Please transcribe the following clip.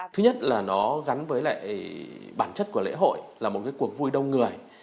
thứ nhất là nó gắn với lại bản chất của lễ hội là một cuộc vui đông người